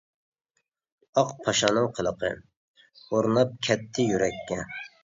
ئاق پاشانىڭ قىلىقى، ئورناپ كەتتى يۈرەككە.